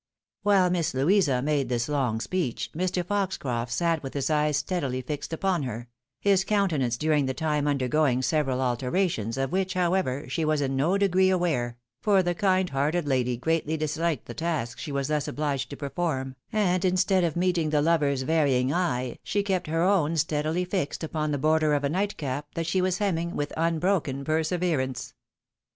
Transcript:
While Miss Louisa made this long speech, Mr. Foxcroft sat with his eyes steadily fixed upon her ; his countenance during the time undergoing several alterations, of which, however, she was in no degree aware — for the kind hearted lady greatly dis liked the task she was thus obliged to perform — and instead of meeting the lover's varying eye, she kept her own steadily fixed upon the border of a night cap that she was hemming with un broken perseverance.